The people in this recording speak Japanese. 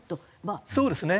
そうですね。